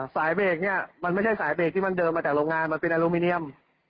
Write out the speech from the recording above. เบรกเนี่ยมันไม่ใช่สายเบรกที่มันเดินมาจากโรงงานมันเป็นอลูมิเนียม